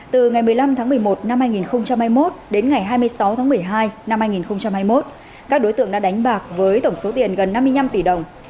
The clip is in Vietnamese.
từ ngày một mươi năm tháng một mươi một năm hai nghìn hai mươi một đến ngày hai mươi sáu tháng một mươi hai năm hai nghìn hai mươi một các đối tượng đã đánh bạc với tổng số tiền gần năm mươi năm tỷ đồng